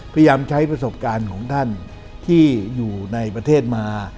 พยายามใช้ประสบการณ์ของท่านที่อยู่ในประเทศมา